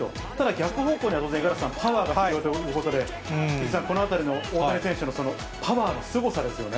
ただ逆方向には、当然、五十嵐さん、パワーが必要ということで、藤井さん、このあたりの大谷選手のパワーのすごさですよね。